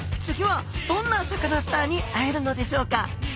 次はどんなサカナスターに会えるのでしょうか？